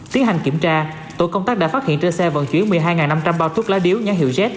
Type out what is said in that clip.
tiến hành kiểm tra tổ công tác đã phát hiện trên xe vận chuyển một mươi hai năm trăm linh bao thuốc lá điếu nhãn hiệu z